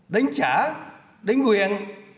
đến trả đến quyền